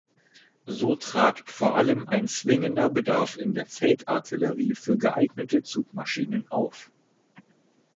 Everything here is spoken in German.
So trat vor allem ein zwingender Bedarf in der Feldartillerie für geeignete Zugmaschinen auf.